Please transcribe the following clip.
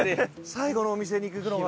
最後のお店に行くのが。